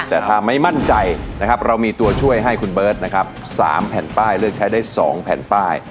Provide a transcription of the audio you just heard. แต่ถ้าไม่มั่นใจนะครับเรามีตัวช่วยให้คุณเบิร์ตนะครับ๓แผ่นป้ายเลือกใช้ได้๒แผ่นป้าย